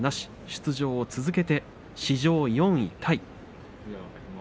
出場を続けて史上４位タイ。